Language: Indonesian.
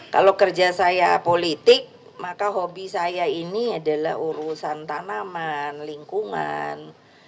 kalau kerja saya politik maka hobi saya ini adalah urusan tanaman lingkungan